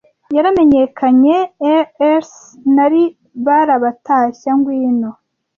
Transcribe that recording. Yaramenyekanye e r s, nari barabatashya! ngwino!